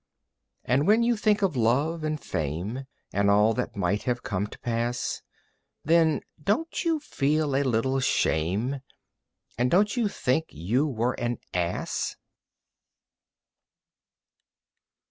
And when you think of love and fame And all that might have come to pass, Then don't you feel a little shame? And don't you think you were an ass?"